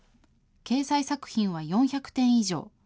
掲載作品は４００点以上。